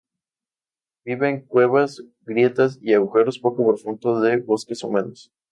Vive en cuevas, grietas y agujeros poco profundos de bosques húmedos.